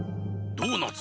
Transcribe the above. ドーナツ。